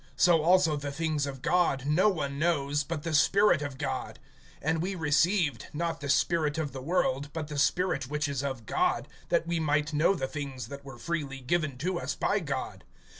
So also the things of God no one knows, but the Spirit of God. (12)And we received, not the spirit of the world, but the spirit which is of God; that we might know the things that were freely given to us by God.